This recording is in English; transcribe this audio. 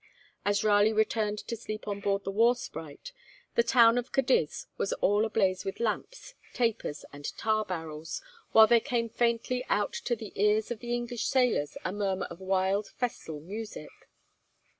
As Raleigh returned to sleep on board the 'War Sprite,' the town of Cadiz was all ablaze with lamps, tapers, and tar barrels, while there came faintly out to the ears of the English sailors a murmur of wild festal music.